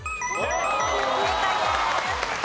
正解です。